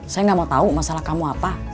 saya nggak mau tahu masalah kamu apa